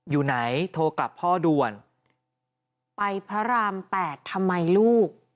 อยู่ไหนโทรกลับพ่อด่วนไปพระรามแปดทำไมลูก